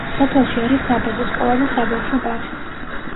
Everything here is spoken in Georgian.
სოფელში არის საბაზო სკოლა და საბავშვო ბაღი.